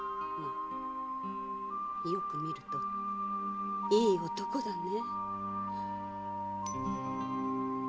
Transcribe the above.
よく見るといい男だね。